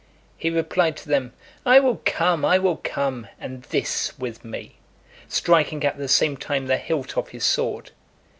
He replied to them, "I will come, I will come, and this with me," striking at the same time the hilt of his sword.